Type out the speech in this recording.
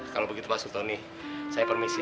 kalau begitu pak sutoni saya permisi